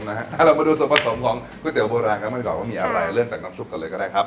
เรามาดูส่วนผสมของก๋วยเตี๋โบราณกันบ้างดีกว่าว่ามีอะไรเริ่มจากน้ำซุปกันเลยก็ได้ครับ